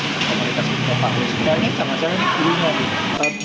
pak punya sekaligus sama sama ini gurunya ini